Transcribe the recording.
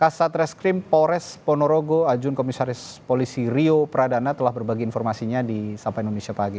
kasat reskrim pores ponorogo ajun komisaris polisi rio pradana telah berbagi informasinya di sapa indonesia pagi